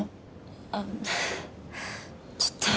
あっちょっと。